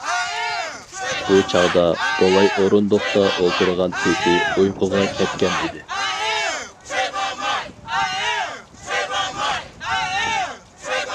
بۇ چاغدا، بوۋاي ئورۇندۇقتا ئولتۇرغان پېتى ئۇيقۇغا كەتكەن ئىدى.